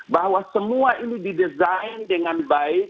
bahwa semua ini didesain dengan baik